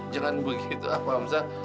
jangan begitu pak hamzah